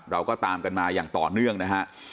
เราก็ตามกันมาอย่างต่อเนื่องนะฮะ